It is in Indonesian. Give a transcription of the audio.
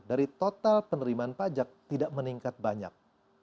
dari total penerimaan pajak tidak meningkat banyak